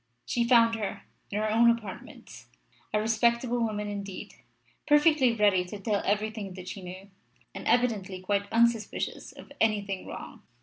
She found her, in her own apartments, a respectable woman indeed, perfectly ready to tell everything that she knew, and evidently quite unsuspicious of anything wrong.